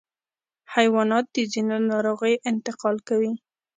حیوانات د ځینو ناروغیو انتقال کوي.